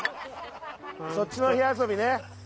・そっちの火遊びね？